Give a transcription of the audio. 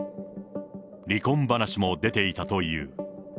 離婚話も出ていたという。